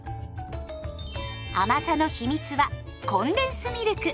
甘さの秘密はコンデンスミルク。